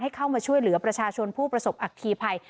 เข้ามาช่วยเหลือประชาชนผู้ประสบอัคคีภัย